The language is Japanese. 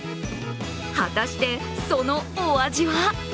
果たしてそのお味は？